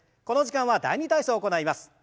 この時間は「第２体操」を行います。